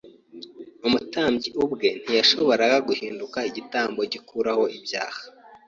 Umutambyi ubwe ntiyashoboraga guhinduka igitambo gikuraho ibyaha